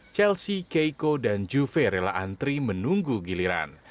chelsea keiko dan juve rela antri menunggu giliran